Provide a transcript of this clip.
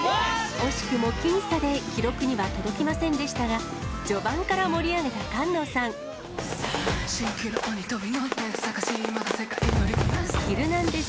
惜しくも僅差で記録には届きませんでしたが、序盤から盛り上げた菅野さん。ヒルナンデス！